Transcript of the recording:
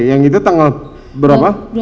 yang itu tanggal berapa